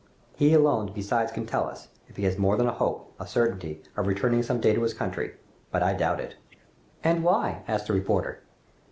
He alone besides can tell us, if he has more than a hope, a certainty, of returning some day to his country, but I doubt it!" "And why?" asked the reporter.